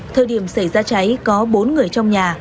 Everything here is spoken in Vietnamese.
thời điểm xảy ra cháy có bốn người trong nhà